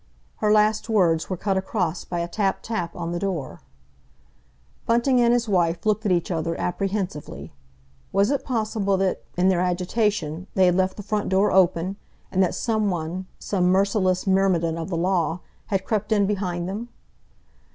Her last words were cut across by a tap tap on the door. Bunting and his wife looked at each other apprehensively. Was it possible that, in their agitation, they had left the front door open, and that someone, some merciless myrmidon of the law, had crept in behind them?